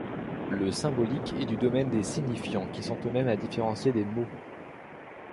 Le symbolique, est du domaine des signifiants, qui sont eux-mêmes à différencier des mots.